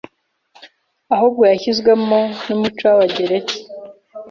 ahubwo yashizwemo n'umuco w'Abagereki